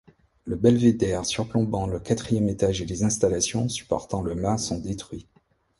Le belvédère surplombant le quatrième étage et les installations supportant le mât sont détruits.